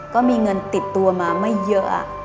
ก็มีเงินติดตัวมาไม่เยอะ